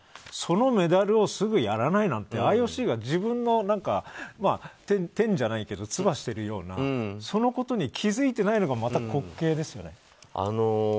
そのメダルをすぐやらないなんてＩＯＣが自分の天じゃないけどそれにつばしているようなそのことに気づいてないのが滑稽ですよね。